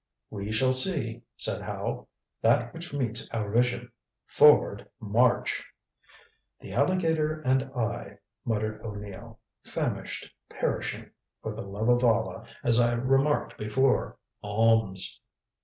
"We shall see," said Howe, "that which meets our vision. Forward, march!" "The alligator and I," muttered O'Neill, "famished, perishing. For the love of Allah, as I remarked before, alms!"